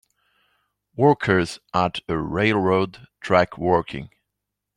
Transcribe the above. Workers at a railroad track working